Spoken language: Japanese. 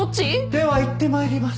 では行って参ります。